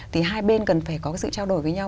thì hai bên cần phải có cái sự trao đổi với nhau